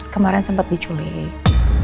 kemaren sempat diculik